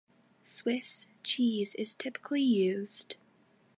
Swiss cheese is typically used.